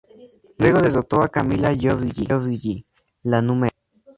Luego derrotó a Camila Giorgi, la No.